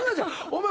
お前